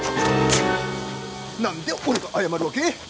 何で俺が謝るわけ？